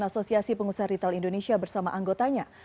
asosiasi pengusaha retail indonesia bersama anggotanya